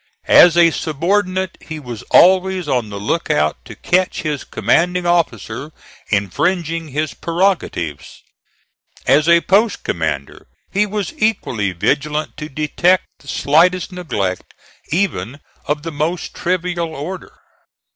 As a subordinate he was always on the lookout to catch his commanding officer infringing his prerogatives; as a post commander he was equally vigilant to detect the slightest neglect, even of the most trivial order.